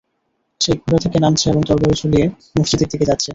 সে ঘোড়া থেকে নামছে এবং তরবারী ঝুলিয়ে মসজিদের দিকে যাচ্ছে।